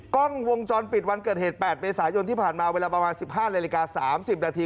กล้องวงจรปิดวันเกิดเหตุ๘เมษายนที่ผ่านมาเวลาประมาณ๑๕นาฬิกา๓๐นาที